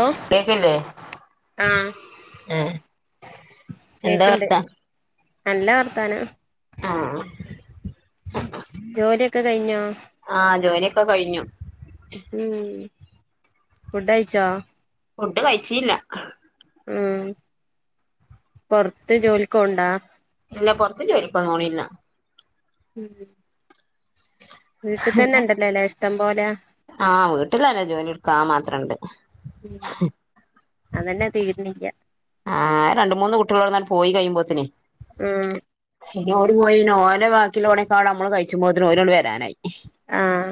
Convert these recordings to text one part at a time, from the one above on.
ഓ കേക്കില്ലേ ആഹ് ആഹ് കേക്ക്ണ്ട് നല്ല വർത്താന ആഹ് ജോലിയൊക്കെ കഴിഞ്ഞോ ഒക്കെ കഴിഞ്ഞു ഉം ഫുഡഴിച്ചോ ഫുഡ് കഴിച്ചില്ല ഉം പൊറത്ത് ജോലിക്കോണ്ടാ ഇല്ല ഇപ്പം പോന്നില്ല ഉം വീട്ടി തന്നെ ഇണ്ടല്ലോല്ലേ ഇഷ്ടം പോലെ ആഹ് വീട്ടില്ലന്നെ ജോലി എടുക്കാ മാത്രംണ്ട് ഉം അതന്നെ തീരുന്നില്ല ആ രണ്ട് മൂന്ന് കുട്ടികളോന്നണ്ട് പോയി കഴിയുമ്പോത്തിനെ ആഹ് പിന്നെഓ പോയിന് ഒലെ ബാക്കിയുള്ളള്ളോടേക്കാ നമ്മള് കഴിച്ചുമ്പോത്തിന് ഓല് വരാനായി ആഹ്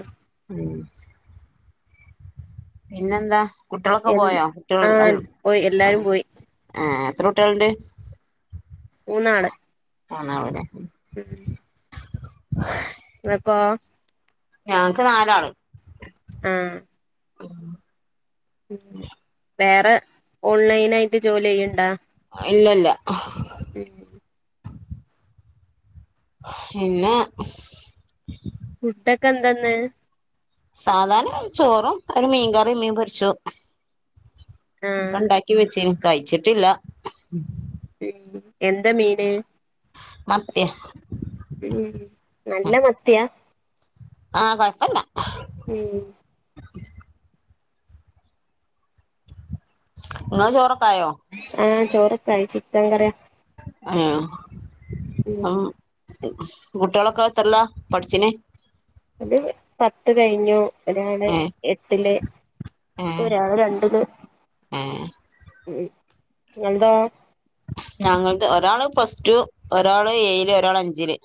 ഉം പിന്നെന്താ കുട്ടികളൊക്കെ എന്ത് പോയോ കുട്ടികൾ ആഹ് പോയി എല്ലാരും പോയി എത്ര കുട്ട്യാള്ണ്ട് മൂന്നാള് മുന്നാള്ലെ [inaudible] ഇങ്ങക്കോ ഞങ്ങക്ക് നാലാള് ആ വേറെ ഓൺലൈൻ ആയിട്ട് ജോലി ചെയ്യാണണ്ടാ ഇല്ലില്ല [inaudible] പിന്നെ ഫുഡൊക്കെ എന്ത്ന്ന് സാധാരണ ചോറും ഒരു മീൻകറിയും മീൻ പൊരിച്ചു ഒക്കെ ആഹ് ഉണ്ടാക്കി വെച്ചേനും കഴിച്ചിട്ടില്ല ഉം എന്ത മീന് മത്തിയ ഉം നല്ല മത്തിയാ ആ കൊയപ്പല്ല ഉം ങ്ങളെ ചോറ് ആ ചോറൊക്കെ ആയി ചിക്കൻ കറിയ ആയാ ഉം കുട്ടികളൊക്കെ എത്രേലാ പഠിച്ചിന് അത് പത്ത് കഴിഞ്ഞു ഒരാള് ഏഹ് എട്ടില് ഏഹ് ഒരാള് രണ്ടില് ഏഹ് ങ്ങൾ തോ ഞങ്ങൾക്ക് ഒരാള് പ്ലസ് ടു ഒരാള് ഏയില് ഒരാള് അഞ്ചില്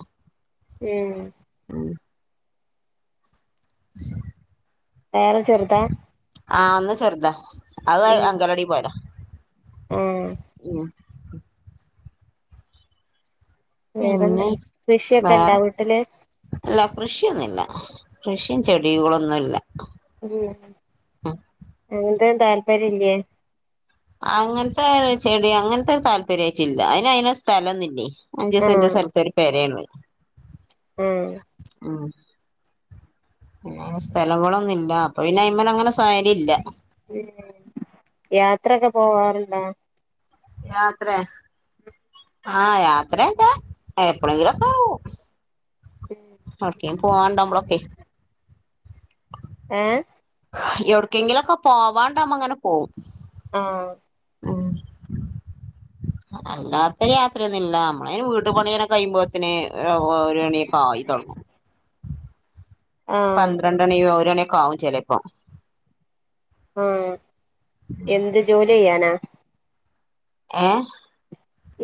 ഉം ഉം വേറെ ചെറുതാ ആഹ് ഒന്ന് ചെറുതാ അത് അങ്കനോടില് പോവലാ ഉം വേറെന്താ പിന്നെ കൃഷിയൊക്കെ ഇണ്ടാ വേറെ വീട്ടില് അലോ കൃഷിയൊന്നുല്ല കൃഷിയും ചെടികളൊന്നുല്ലാ ഉം അങ്ങനത്തെ താല്പര്യം ഇല്യേ താല്പര്യ ആയിട്ടില്ല അയിന് അയിന സ്ഥലംന്നൂല്യേ അഞ്ച് സെന്റ് ആഹ് സ്ഥലത്ത് ഒരു പേരെള്ളൂ ആഹ് ഉം അ സ്ഥലങ്ങളൊന്നില്യ അപ്പൊ പിന്ന അയിന്മേലങ്ങനെ സൗകര്യ ഇല്ല ഉം യാത്രൊക്കെ പോവാറിണ്ടാ യാത്രേ ആഹ് യാത്രക്കെ എപ്പഴെളെലുക്കെ പോകും ഓക്കെ പോവാണ്ട് നമ്മളൊക്കെ ഏഹ് എവിടെക്കെങ്കിലുമൊക്കെ പോവാണ്ടമ്മ ങ്ങനെ പോവും ആഹ് ഉം അല്ലാത്ത യാത്രയൊന്നുല്ലാ നമ്മളയിന് വീട് പണിയനെ കഴിയുമ്പോതേനും ഒരു മണിയൊക്കെ ആയി തൊടങ്ങും ആഹ് പന്ത്രണ്ടണി ഓരോണിയൊക്കെ ആവും ചെലപ്പോ ആഹ് എന്ത് ജോലി ചെയ്യാനാ ഏഹ്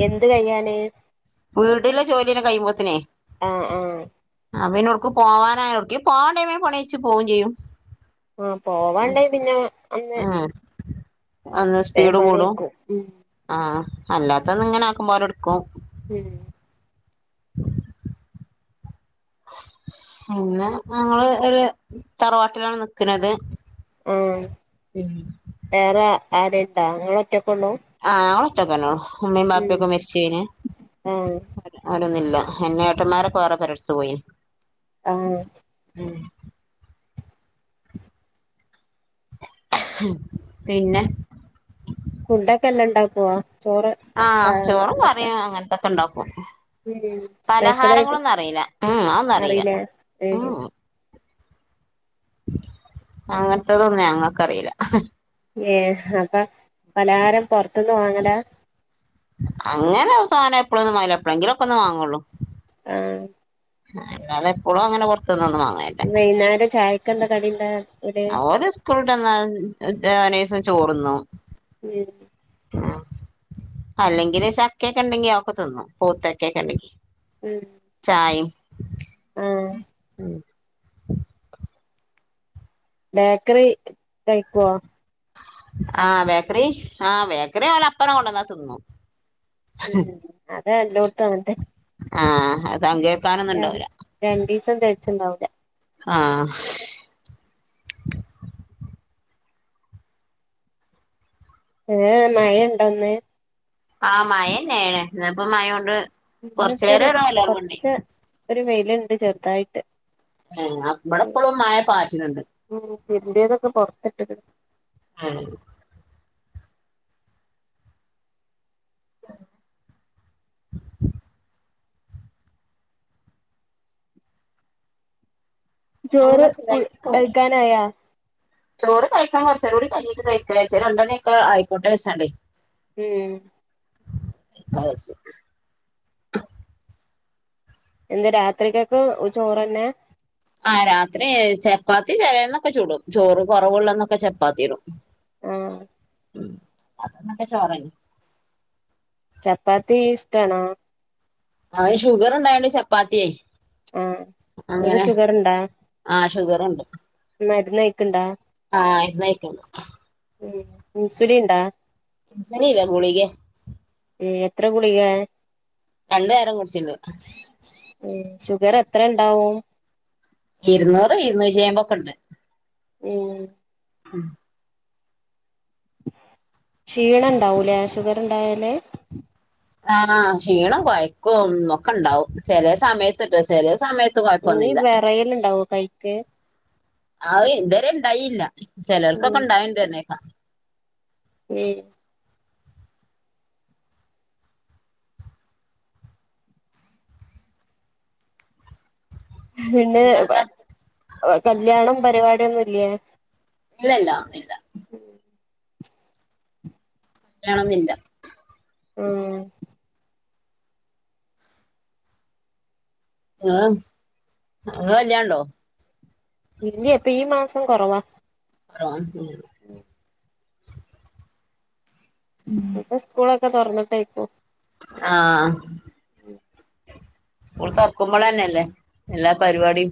എന്ത് കയ്ഞ്ഞാല് വീട്ടിലെ ജോലിയന്നെ കഴിയുമ്പോത്തനെ ആഹ് ആഹ് അവനോർക്ക് പോവാനായോ ഓക്ക പോവാൻ ടൈമേ പണിച്ച് പോവേയും ചെയ്യും ആഹ് പോവാണ്ടേ പിന്നെ അന്ന് അന്ന് വേം സ്പീഡ് കൂടും പണിയെക്കും ഉം ആഹ് അല്ലാത്തന്ന് ഇങ്ങനെ ആക്കുമ്പോ അവര് എടുക്കും ഉം പിന്നെ ഞങ്ങള്ംഒരു തറവാട്ടിലാണ് നിക്കനത് ആഹ് വേറെ ആരും ഇണ്ടാ നിങ്ങള് ഒറ്റൊക്കെ ഉള്ളു ഇട്ടക്കണോ അമ്മേം ബപ്പൊക്കെ മരിച്ചേന് ആഹ് ന്നുല്ല എന്ന ഏട്ടന്മാരൊക്കെ വറെ പെരേട്ത്തു പോയി ആഹ് പിന്നെ ഫുഡൊക്കെ എല്ലാം ഇണ്ടാക്കുവോ ചോറ് ആ ചോറും ഇതൊക്കെ കറിയും അങ്ങനത്തൊക്കെ ഉണ്ടാക്കും ഉം സ്പെഷ്യലായിട്ട് പലഹാരങ്ങളൊന്നും അറിയില്ല ഉം അതൊന്നും അറിയില്ല അറിയില്ലേ ഉം അങ്ങനത്തതൊന്നും ഞങ്ങക്കറിയില്ല ഏഹ് അപ്പൊ പലഹാരം പൊറത്ത്ന്ന വാങ്ങല അങ്ങനെ സാനം എപ്പളും ഒന്ന് വാങ്ങൂല എപ്പളെങ്കിലൊക്കെ ഒന്ന് വാങ്ങുള്ളൂ ആഹ് അല്ലാതെ എപ്പോഴും അങ്ങനെ പൊ വൈന്നേരം ചായക്കെന്താ കടീണ്ടെ ഓര് സ്കൂളിട്ടന്നാ [unintelligible] ചോറുന്നു ഉം ആഹ് അല്ലെങ്കില് ചക്കക്കെ ഇണ്ടെങ്കി അതോക്കെ തിന്നും പോവ്ത്തക്കെക്കെ ഇണ്ടെങ്കി ഉം ചായിം ആഹ് ബേക്കറി കഴിക്കോ? ആഹ് ബേക്കറി ആഹ് ബേക്കറി ഓല് അപ്പന്നെ കൊണ്ടന്ന്ക്കും ഉം അത് എല്ലോട്ത്തും അങ്ങൻത്തെ ആ അത് പങ്കേൽക്കാനൊന്നും രൻ ഉണ്ടാവൂല രണ്ടിസം തേയ്ച്ച്ണ്ടാവൂല ആഹ് ഏഹ് മഴണ്ടന്ന് ആഹ് മഴന്നെണ് ഇന്ന്പ്പോ മഴേണ്ട് ഇന്നിപ്പോ ഒരു കൊർച്ചേരം ഒര് ഒലർവ്വ് ഇണ്ടാഴി കൊറച്ച് ഒരു വെയില്ണ്ട് ചെർതായിട്ട് ഏഹ് ഇബടെപ്പളും മഴ പാറ്റ്ണ് ണ്ട് ഉം തിരുമ്പിയതൊക്കെ പൊറത്തിട്ട്ക്ക്ണ് [unintelligible] ചോറ് അങ്ങനെ ഫുൾ സുഖായിട്ട് പോണ് കഴിക്കാനായാ ചോറ് കഴിക്കാൻ കോർചേരം കൂടി കഴിഞ്ഞിട്ട് കഴിക്ക ചാരിച്ച് രണ്ടെണിയൊക്കെ ആയിക്കോട്ടെ ചാണ്ട് ഉം [unintelligible] എന്താ രാത്രിക്കൊക്കും ചോറെന്നെ ആഹ് രാത്രി ചപ്പാത്തി ചേലെന്നൊക്കെ ചുടും ചോറ് കോറവ്ള്ളന്നൊക്കെ ചപ്പാത്തി ഇടും ആഹ് ഉം അതന്നൊക്കെ ചോറന്നെ ചപ്പാത്തി ഇഷ്ടാണോ? ആഹ് ഷുഗറ് ണ്ടായൊണ്ട് ചപ്പാത്തി ആയി ആഹ് നിങ്ങക്ക് അങ്ങനെ ഷുഗർ ഇണ്ടാ ആഹ് ഷുഗറ്ണ്ട് മരുന്ന് കഴിക്ക്ണ്ടാ ആഹ് ഇന്നയ്ട്ടോള്ളു ഇൻസുലിൻ ണ്ടാ? [unintelligible] ഗുളികേ ഉം എത്ര ഗുളിക? രണ്ടു നേരം [unintelligible] ഉം ഷുഗർ എത്ര ഇണ്ടാവും ഇരുന്നൂറ് ഇരുന്നൂറ്റി അയ്മ്പതൊക്കെണ്ട് ഉം ഉം ക്ഷീണം ഉണ്ടാവൂലേ ഷുഗറിണ്ടായാല് ആഹ് ക്ഷീണം കൊയക്കൊന്ന് ഒക്കെ ഇണ്ടാവും ചെല സമയത്ത്ട്ടോ ചെല സമയത്ത് നീ കൊഴപ്പൊന്നുല്ല വിറയല് ഇണ്ടാവോ കൈക്ക് ആ ഇതുവരെ ഉണ്ടായില്ല ചിലർക്കൊക്കെ ഇണ്ടായിണ്ട് പർഞ്ഞേക്കാ ഉം പിന്നെ നിങ്ങൾതാ കല്യാണം പരിപാടിയൊന്നുംല്ലേ ഇല്ലില്ല ഇല്ല ഉം ല്ലണന്നില്ല ആഹ് ആഹ് അങ്ങല്യാണ്ടോ ഇല്ലേ അപ്പൊ ഈ മാസം കുറവാ ഉം ഇപ്പൊ സ്കൂളൊക്കെ തുറന്നിട്ടേയിക്കോ ആഹ് സ്കൂള് തുറക്കുമ്പോളന്നെയല്ലേ എല്ലാ പരിപാടിയും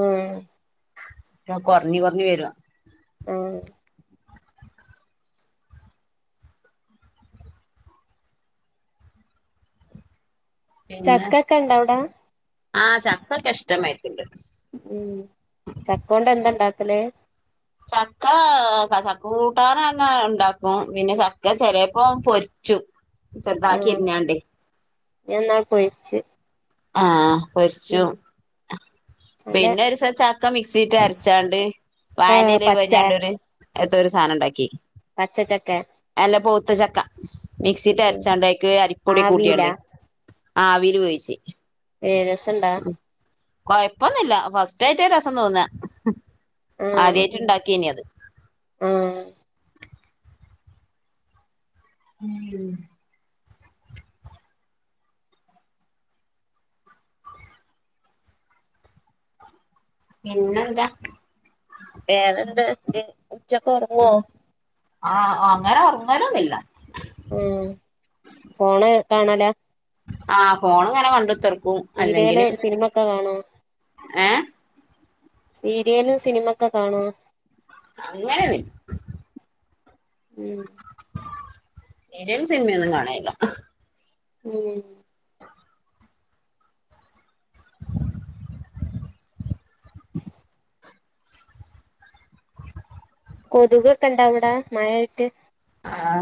ആഹ് കുറഞ്ഞ് കുറഞ്ഞ് വരുവാ ആഹ് പിന്നെ ചക്കൊക്കെണ്ടോ അവിടെ ആ ചക്കൊക്കെ ഇഷ്ടമായിട്ടുണ്ട് ഉം ചക്കോണ്ട് എന്താ ഇണ്ടാ ക്കല് ചക്കാ ച ചക്ക കൂട്ടാനന്നെ ഇണ്ടാക്കും പിന്നെ ച ക്ക ചെലേപ്പോ പൊരിച്ചും ചെറ്താക്കി ആഹ് എര്ഞ്ഞാണ്ടെ ഞാൻ ഇന്നാള് പൊരിച്ച് ആഹ് ഉം പൊരിച്ചും ആഹ് നല്ല പിന്നെ ഒരൂസം ചക്ക മിക്സീട്ട് അരച്ചാണ്ട് ഏഹ് വാഴന്റെലേ പച്ച പൊയിഞ്ഞാണ്ടൊര് ഏതോ ഒരു സാധനം ഉണ്ടാക്കി പച്ച ചക്ക പഴുത്തച്ചക്ക മിക്സീട്ട് അരച്ചണ്ടേക്ക് അരിപ്പൊടി ആവീലാ കൂട്ടിയണ്ട് ആ ആവിൽ വേവിച്ച് ഏ രസൊണ്ട കൊഴപ്പൊന്നുമില്ല ഫസ്റ്റായിട്ട് രസം തോന്നാ ആഹ് ആദ്യായിട്ടുണ്ടാക്കിയനി അത് ആഹ് ഉം പിന്നെന്താ വേറെന്ത് ഉച്ചൊക്ക് ഉറങ്ങുവോ ആ അങ്ങനെ ഉറങ്ങലൊന്നുമില്ല ഉം ഫോണ് കാണല ആ ഫോൺ ഇങ്ങനെ കണ്ടു തീർക്കും അല്ലെങ്കിൽ സീരിയല് സിനിമൊക്കെ കാണോ [unintelligible] ഏ സീരിയലും സിനിമൊക്കെ കാണുവ അങ്ങനെയൊന്നൂല ഉം സിരിയലും സിനിമയൊന്നും കാണണില്ല ഉം [unintelligible] കൊതുകൊക്കെ ഇണ്ടാ അവിട മഴയായിട്ട് ആ